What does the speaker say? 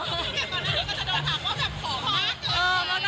ตอนนี้ก็จะโดนถักว่าของมากเลย